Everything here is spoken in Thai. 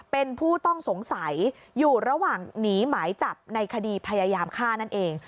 เป็นผู้ต้องสงสัยอยู่ระหว่างหนีหมายจับในคดีพยายามฆ่านั่นเอง